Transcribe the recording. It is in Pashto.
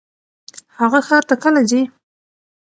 هغه ښار ته کله ځي؟